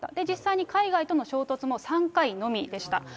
実際に海外との衝突も３回のみでした。